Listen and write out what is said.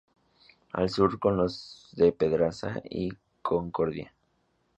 Al sur, con los de Pedraza y Concordia.